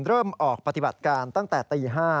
เริ่มออกปฏิบัติการตั้งแต่ตี๕